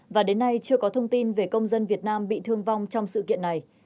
và đến nay chưa có thông tin về công dân việt nam bị thương vong trong sự kiện này